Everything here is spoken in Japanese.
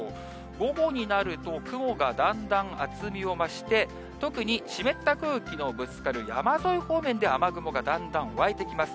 午後になると、雲がだんだん厚みを増して、特に湿った空気のぶつかる山沿い方面で、雨雲がだんだん湧いてきます。